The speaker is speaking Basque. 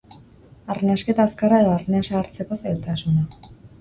Arnasketa azkarra edo arnasa hartzeko zailtasuna.